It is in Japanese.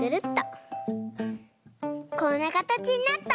こんなかたちになった！